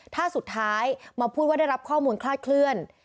ถ้าสุดท้ายมาพูดว่าได้รับข้อมูลคลาดเคลื่อน